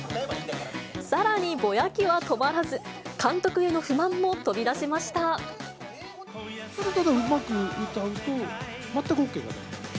さらに、ぼやきは止まらず、ただただうまく歌うと、全くＯＫが出なかった。